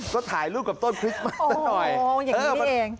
ก็ถ่ายรูปกับต้นคริสต์มันสักหน่อยอ๋ออย่างนี้เอง